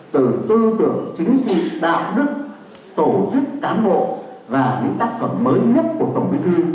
từ tư tưởng chính trị đạo đức tổ chức cán bộ và những tác phẩm mới nhất của tổng bí thư